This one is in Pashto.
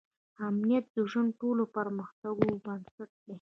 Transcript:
امنیت د ژوند د ټولو پرمختګونو بنسټ دی.